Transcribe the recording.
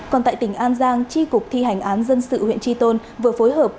còn tại tỉnh an giang tri cục thi hành án dân sự huyện tri tôn vừa phối hợp